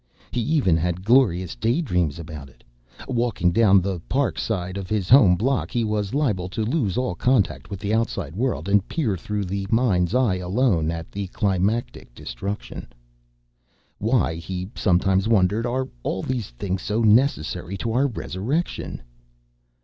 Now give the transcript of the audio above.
He even had glorious daydreams about it. Walking down the park side of his home block, he was liable to lose all contact with the outside world and peer through the mind's eye alone at the climactic destruction. Why, he sometimes wondered, are all these things so necessary to our resurrection?